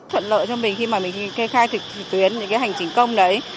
thuận lợi cho mình khi mà mình kê khai trực tuyến những cái hành trình công đấy